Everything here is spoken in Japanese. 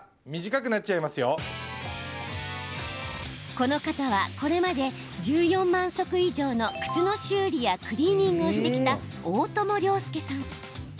この方は、これまで１４万足以上の靴の修理やクリーニングをしてきた大友良祐さん。